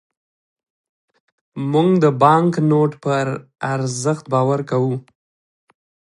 موږ د بانکنوټ پر ارزښت باور کوو.